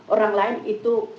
orang lain itu